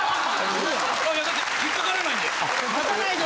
いやだって引っかからないんで。